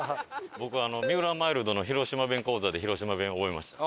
僕三浦マイルドの広島弁講座で広島弁覚えました。